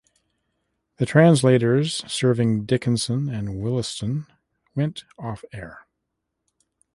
The translators serving Dickinson and Williston went off-air.